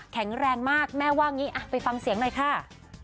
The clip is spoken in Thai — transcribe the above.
แข็งแรงมากแม่ว่างี้ไปฟังเสียงหน่อยค่ะ